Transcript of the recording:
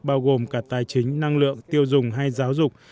bao gồm cả tài chính năng lượng tiêu dùng hay giáo dục